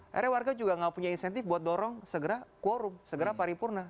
akhirnya warga juga nggak punya insentif buat dorong segera quorum segera paripurna